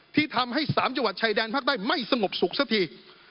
ที่ทำให้๓จังหวัดชายแดนภาคใต้ไม่สงบสุขสักที